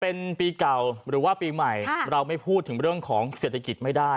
เป็นปีเก่าหรือว่าปีใหม่เราไม่พูดถึงเรื่องของเศรษฐกิจไม่ได้